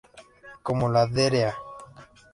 Como la Dra.